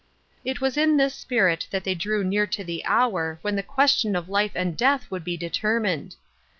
It was in this spirit that thej drew near to the hour when the question of life and death would be determined.